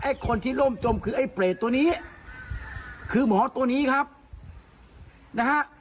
คนที่ร่มจมคือไอ้เปรตตัวนี้คือหมอตัวนี้ครับนะฮะ